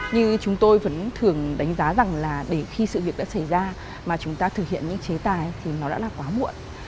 như chúng tôi vẫn thường đánh giá rằng là để khi sự việc đã xảy ra mà chúng ta thực hiện những chế tài thì nó đã là quá muộn